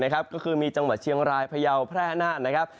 ก็คือมีจังหวัดเชียงรายพยาวแพร่นานนะครับ